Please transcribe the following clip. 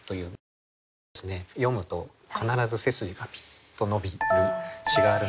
またこれも読むと必ず背筋がピッと伸びる詩があるんですけれど。